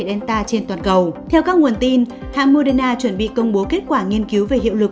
delta trên toàn cầu theo các nguồn tin hãng moderna chuẩn bị công bố kết quả nghiên cứu về hiệu lực